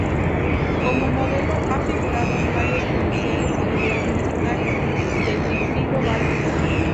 Como modelo ha figurado en varios comerciales y vídeos musicales de Wilfrido Vargas.